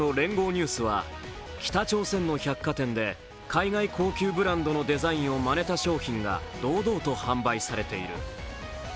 ニュースは北朝鮮の百貨店で海外高級ブランドのデザインをまねた商品が堂々と販売されている。